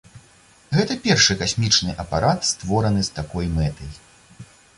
Гэта першы касмічны апарат, створаны з такой мэтай.